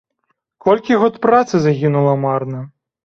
Колькі год працы загінула марна!